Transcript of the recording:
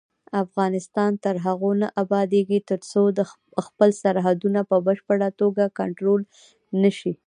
افغانستان تر هغو نه ابادیږي، ترڅو خپل سرحدونه په بشپړه توګه کنټرول نشي.